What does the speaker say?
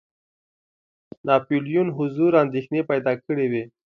ناپولیون حضور اندېښنې پیدا کړي وې.